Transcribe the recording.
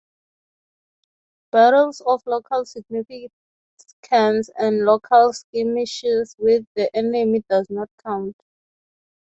Battles of "local significance" and local skirmishes with the enemy does not count.